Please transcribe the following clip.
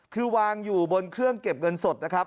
คือวางอยู่บนเครื่องเก็บเงินสดนะครับ